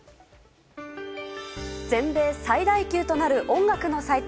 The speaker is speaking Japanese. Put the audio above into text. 全米最大級となる音楽の祭典